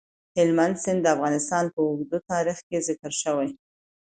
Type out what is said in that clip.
هلمند سیند د افغانستان په اوږده تاریخ کې ذکر شوی.